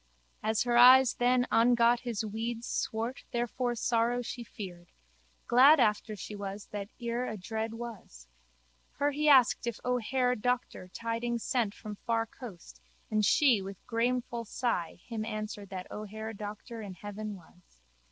As her eyes then ongot his weeds swart therefor sorrow she feared. Glad after she was that ere adread was. Her he asked if O'Hare Doctor tidings sent from far coast and she with grameful sigh him answered that O'Hare Doctor in heaven was.